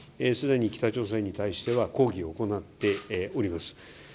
既に北朝鮮に対しては抗議を行っております。